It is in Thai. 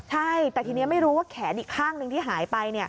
ใช่แต่ทีนี้ไม่รู้ว่าแขนอีกข้างหนึ่งที่หายไป